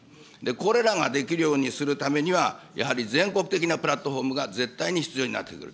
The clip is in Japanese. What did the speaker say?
これらができるようにするためには、やはり全国的なプラットフォームが絶対に必要になってくる。